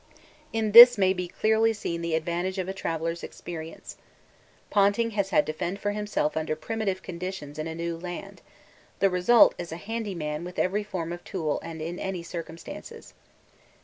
In this may be clearly seen the advantage of a traveller's experience. Ponting has had to fend for himself under primitive conditions in a new land; the result is a 'handy man' with every form of tool and in any circumstances.